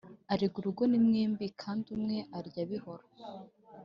erega urugo ni mwembi kandi umwe arya bihora